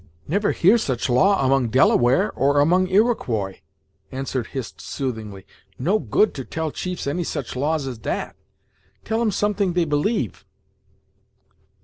"Never hear such law among Delaware, or among Iroquois " answered Hist soothingly. "No good to tell chiefs any such laws as dat. Tell 'em somet'ing they believe."